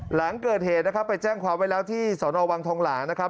หลังเกิดเหตุนะครับไปแจ้งความไว้แล้วที่สนวังทองหลางนะครับ